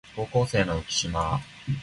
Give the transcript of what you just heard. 高校生の浮島